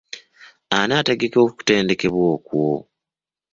Ani ategeka okutendekebwa okwo?